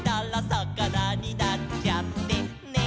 「さかなになっちゃってね」